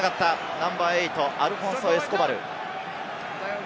ナンバー８、アルフォンソ・エスコバル。